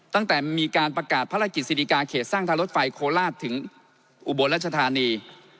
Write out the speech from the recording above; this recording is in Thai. ตั้งแต่มีการประกาศภารกิจสิริกาเขตสร้างทางรถไฟโคราชถึงอุบลรัชธานี